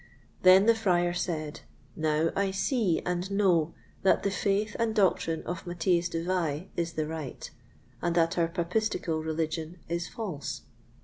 Then the Friar said, "Now I see and know that the Faith and Doctrine of Matthias de Vai is the right, and that our Papistical Religion is false."